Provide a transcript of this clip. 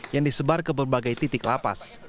yang disebar ke berbagai titik lapas